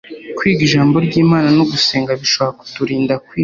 Kwiga ijambo ry’Imana no gusenga bishobora kuturinda kwiroha